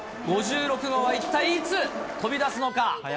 ５６号は一体いつ飛び出すのか。